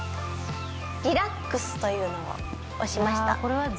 「リラックス」というのを押しました。